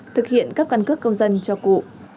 thực hiện các căn cấp công dân cho cụ